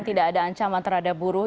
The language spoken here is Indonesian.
tidak ada ancaman terhadap buruh